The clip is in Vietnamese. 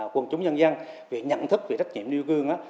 quần chúng nhân dân về nhận thức về trách nhiệm nêu gương á